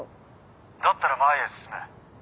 だったら前へ進め。